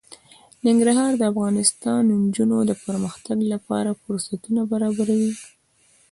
ننګرهار د افغان نجونو د پرمختګ لپاره فرصتونه برابروي.